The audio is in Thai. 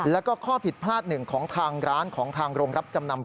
แล้วก็ข้อผิดพลาดหนึ่งของทางร้านของทางโรงรับจำนำ